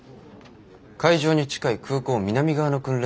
海上に近い空港南側の訓練